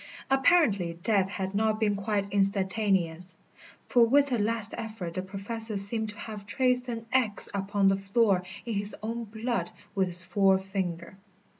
Apparently death had not been quite instantaneous, for with a last effort the Professor seemed to have traced an X upon the floor in his own blood with his forefinger.